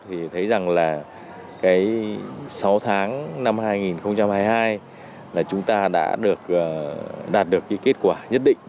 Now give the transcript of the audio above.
thì thấy rằng là cái sáu tháng năm hai nghìn hai mươi hai là chúng ta đã đạt được cái kết quả nhất định